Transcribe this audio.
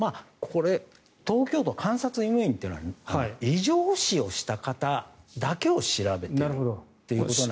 東京都の監察医務院というのは異常死をした方だけを調べているということなので。